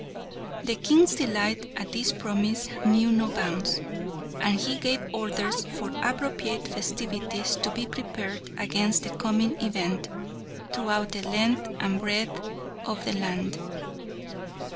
The King's delight at this promise knew no bounds, and he gave orders for appropriate festivities to be prepared against the coming event throughout the length and breadth of the land.